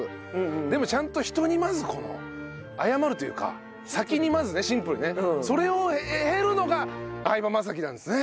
でもちゃんと人にまず謝るというか先にまずねシンプルにねそれを経るのが相葉雅紀なんですね。